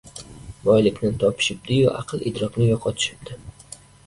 Boylikni topishibdi-yu aql-idrokni yo‘qotishibdi.